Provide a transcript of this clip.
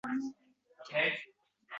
Devordagi nonni ko‘rsatdim.